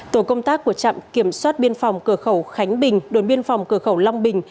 tổ công tác của trạm kiểm soát biên phòng cửa khẩu khánh bình đồn biên phòng cửa khẩu long bình